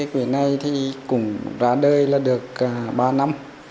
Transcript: quỹ này cũng ra đời được ba năm